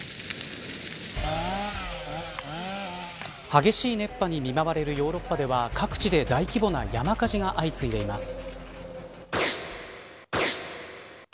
激しい熱波に見舞われるヨーロッパでは各地で大規模な山火事が相次いでいます。